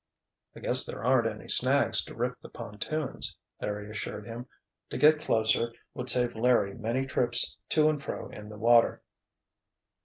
"I guess there aren't any snags to rip the pontoons," Larry assured him. To get closer would save Larry many trips to and fro in the water.